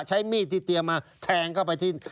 ใช้มีดที่เตรียมมาแทงเข้าไปที่